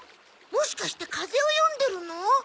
もしかして風を読んでるの？